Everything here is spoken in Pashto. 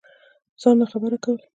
ځان ناخبره كول